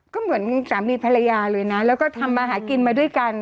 ก็เหมือนสามีภรรยาเลยนะแล้วก็ทำมาหากินมาด้วยกัน